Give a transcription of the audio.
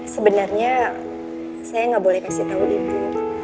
sebenarnya saya gak boleh kasih tahu ibu